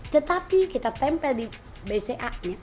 tetapi kita tempel di bca nya bayar off us